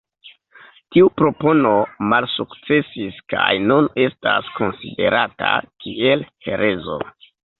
Tiu propono malsukcesis kaj nun estas konsiderata kiel herezo.